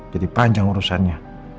jadi panjang urusannya